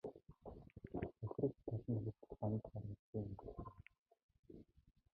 Хохирогч тал нь хүртэл гомдол гаргалгүй өнгөрчээ.